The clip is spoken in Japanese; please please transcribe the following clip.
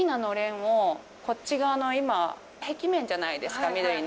こっち側の今壁面じゃないですか緑の。